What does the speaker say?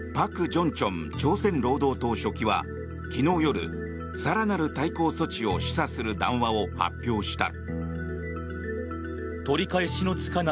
ジョンチョン朝鮮労働党書記は昨日夜、更なる対抗措置を示唆する談話を発表した。